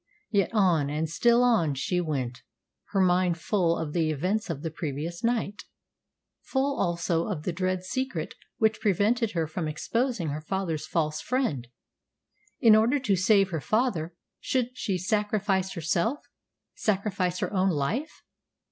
Yet on, and still on, she went, her mind full of the events of the previous night; full, also, of the dread secret which prevented her from exposing her father's false friend. In order to save her father, should she sacrifice herself sacrifice her own life?